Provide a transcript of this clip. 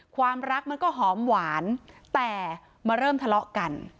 ความรักมันก็หอมหวานแต่มาเริ่มทะเลาะกัน